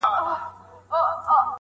د پښتو ادب نړۍ ده پرې روښانه,